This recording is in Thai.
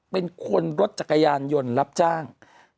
เป็นคนรถจักรยานยนต์รับจ้าง